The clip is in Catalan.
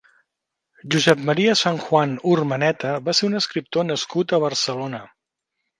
Josep María Sanjuán Urmeneta va ser un escriptor nascut a Barcelona.